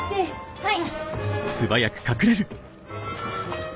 はい。